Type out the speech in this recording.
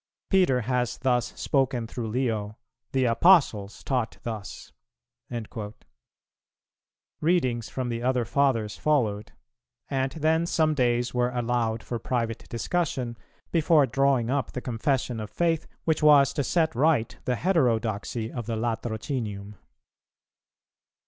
Peter has thus spoken through Leo; the Apostles taught thus." Readings from the other Fathers followed; and then some days were allowed for private discussion, before drawing up the confession of faith which was to set right the heterodoxy of the Latrocinium.